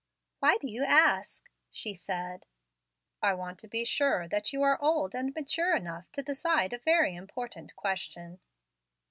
"Why do you ask?" she said. "I want to be sure that you are old and mature enough to decide a very important question."